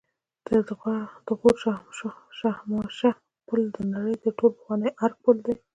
د غور شاهمشه پل د نړۍ تر ټولو پخوانی آرک پل دی